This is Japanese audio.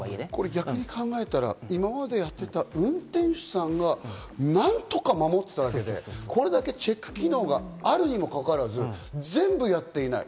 逆に考えてみたら、今までやっていた運転手さんが何とか守っていたわけで、これだけチェック機能があるにもかかわらず全部やっていない。